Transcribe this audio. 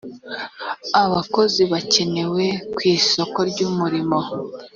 abakozi bakenewe ku isoko ry umurimo